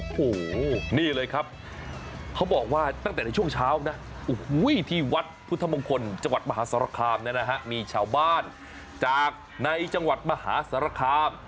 โอ้โหนี่เลยครับเขาบอกว่าตั้งแต่ในช่วงเช้านะที่วัดพุทธมงคลจังหวัดมหาสารคามเนี่ยนะฮะมีชาวบ้านจากในจังหวัดมหาสารคาม